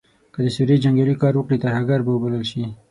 که د سوریې جنګیالې کار وکړي ترهګر به وبلل شي.